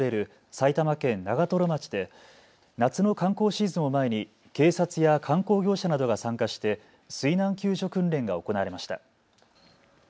埼玉県長瀞町で夏の観光シーズンを前に警察や観光業者などが参加して水難救助訓練が行われました。